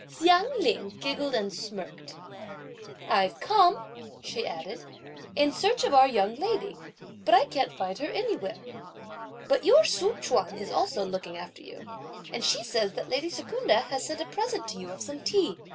Hsiang Ling giggled and smirked. "I've come," she added, "in search of our young lady, but I can't find her anywhere. But your Tzu Chuan is also looking after you; and she says that lady Secunda has sent a present to you of some tea.